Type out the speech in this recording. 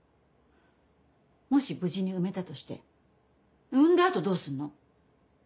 もし無事に産めたとして産んだ後どうすんの？